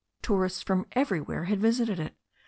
Tour ists from everywhere had visited it.